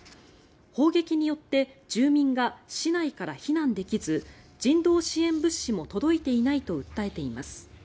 砲撃によって住民が市内から避難できず人道支援物資も届いていないと訴えています。